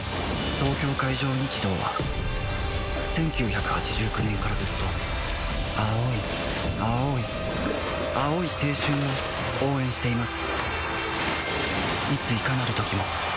東京海上日動は１９８９年からずっと青い青い青い青春を応援しています